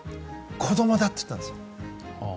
子供だと言ったんです。